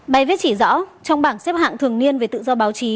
bài viết chỉ rõ trong bảng xếp hạng thường niên về tự do báo chí